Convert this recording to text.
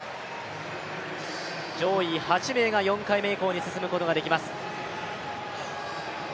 ３回目の投てきで上位８名が４回目以降に進むことができます。